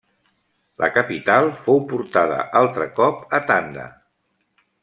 La capital fou portada altre cop a Tanda.